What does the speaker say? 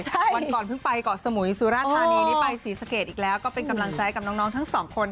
วันก่อนเพิ่งไปเกาะสมุยสุราธานีนี่ไปศรีสะเกดอีกแล้วก็เป็นกำลังใจกับน้องทั้งสองคน